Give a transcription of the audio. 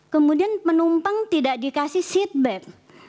kemudian penumpang tidak diberi seat bag